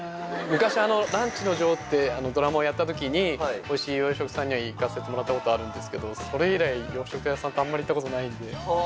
昔『ランチの女王』ってドラマをやったときにおいしい洋食屋さんには行かせてもらったことあるんですけどそれ以来洋食屋さんってあんまり行ったことないんで。